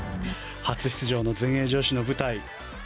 初出場の全英女子の舞台。